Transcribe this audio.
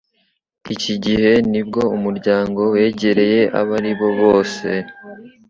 Iki gihe ni bwo Umuryango wegereye abo ari bo bose